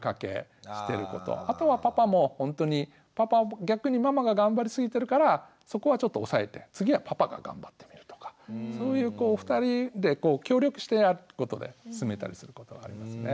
あとはパパもほんとに逆にママが頑張りすぎてるからそこはちょっと抑えて次はパパが頑張ってみるとかそういうこう２人で協力してやるってことで進めたりすることはありますね。